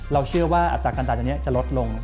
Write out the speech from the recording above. เชื่อว่าอัตราการจ่ายตัวนี้จะลดลง